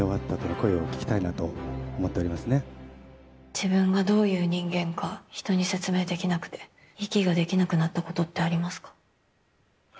自分がどういう人間か人に説明できなくて息ができなくなったことってありますか？